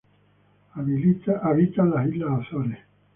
Habita en las islas Azores.